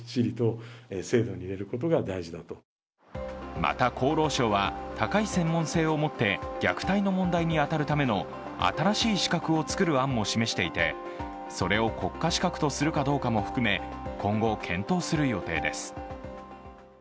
また厚労省は高い専門性を持って虐待の問題に当たるための新しい資格を作る案も示していて、それを国家資格とするかどうかも含め今後検討する予定です。